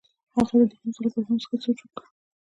هغه د درېیم ځل لپاره هم ښه سوچ وکړ.